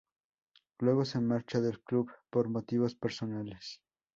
Luego se marcha del club por motivos personales.